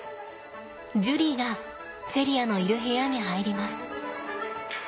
ジュリーがチェリアのいる部屋に入ります。